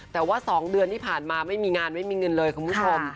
แต่ว่า๒เดือนที่ผ่านมาไม่มีงานไม่มีเงินเลยคุณผู้ชม